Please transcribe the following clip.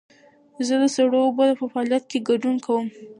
زه د سړو اوبو په فعالیت کې ګډون کوم.